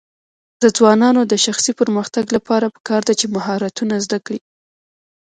د ځوانانو د شخصي پرمختګ لپاره پکار ده چې مهارتونه زده کړي.